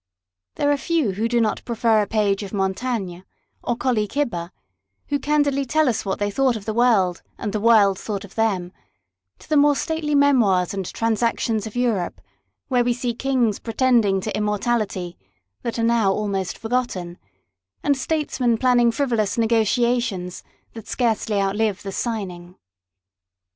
There are few who do not prefer a page of Montaigne or Colley Gibber, who candidly tell us what they thought of the world and the world thought of them, to the more stately memoirs and transactions of Europe, where we see kings pretending to immortality, that are now almost forgotten, and statesmen planning frivolous negociations, that scarcely outlive the signing.